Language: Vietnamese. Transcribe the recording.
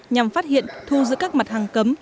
nhằm phát hiện thu giữ các mặt hàng cấm